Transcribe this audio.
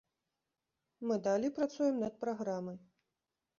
Мы далей працуем над праграмай.